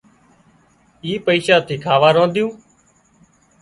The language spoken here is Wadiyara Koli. اِي پئيشا ٿي کاوا رنڌيون